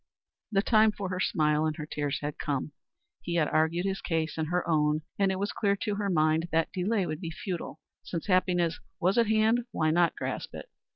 The time for her smile and her tears had come. He had argued his case and her own, and it was clear to her mind that delay would be futile. Since happiness was at hand, why not grasp it?